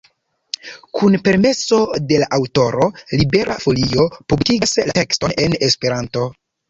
Kun permeso de la aŭtoro Libera Folio publikigas la tekston en Esperanto.